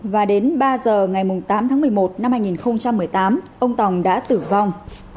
và đến ba giờ ngày tám tháng một mươi một năm hai nghìn một mươi tám ông tòng đã tử vong